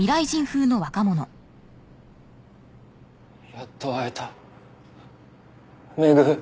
やっと会えた廻。